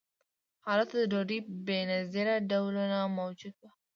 هلته د ډوډۍ بې نظیره ډولونه موجود وو.